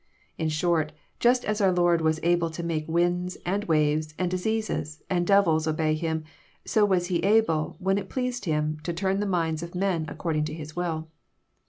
In short, just as our Lord was able to make winds, and waves, and diseases, and devils obey Him, so was He able, when it pleased Him, to turn the minds of men according to His will.